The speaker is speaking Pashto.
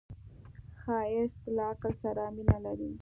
ښایست له عقل سره مینه لري